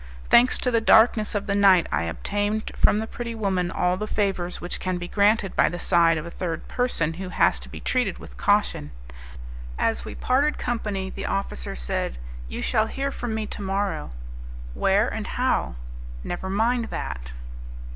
Thanks to the darkness of the night, I obtained from the pretty woman all the favours which can be granted by the side of a third person who has to be treated with caution. As we parted company, the officer said, "You shall hear from me to morrow." "Where, and how?" "Never mind that."